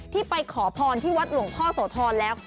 ไปขอพรที่วัดหลวงพ่อโสธรแล้ว